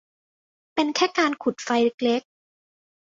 เป็นแค่การขุดไฟเล็ก ๆ